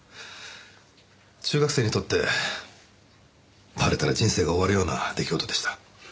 中学生にとってバレたら人生が終わるような出来事でした。